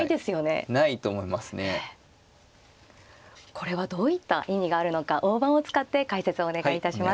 これはどういった意味があるのか大盤を使って解説をお願いいたします。